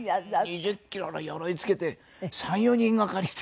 ２０キロの鎧着けて３４人がかりで。